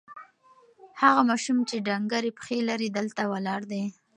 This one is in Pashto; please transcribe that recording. هغه ماشوم چې ډنګرې پښې لري، دلته ولاړ دی.